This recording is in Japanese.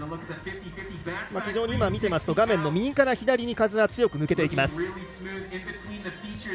今、見ていますと画面の右から左に風が強く抜けていきます。